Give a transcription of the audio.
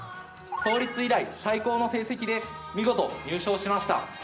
創立以来、最高の成績で見事入賞しました。